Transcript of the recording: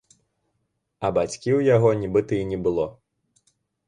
А бацькі ў яго нібыта і не было.